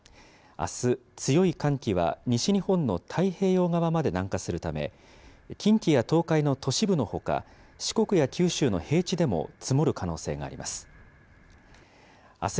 あす、強い寒気は西日本の太平洋側まで南下するため、近畿や東海の都市部のほか、四国や九州の平地でも積もる可能性があります。